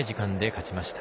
勝ちました。